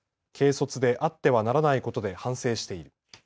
軽率で、あってはならないことで反省している。